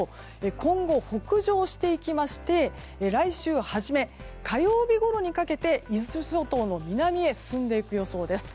今後、北上していきまして来週初め火曜日ごろにかけて伊豆諸島の南に進む予想です。